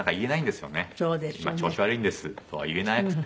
「今調子悪いんです」とは言えなくて。